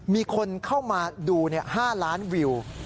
มีคนเข้ามาดู๕ล้านวิว